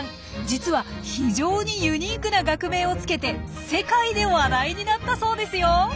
実は非常にユニークな学名をつけて世界で話題になったそうですよ。